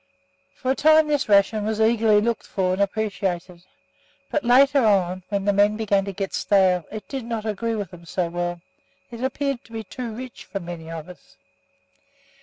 For a time this ration was eagerly looked for and appreciated, but later on, when the men began to get stale, it did not agree with them so well; it appeared to be too rich for many of us.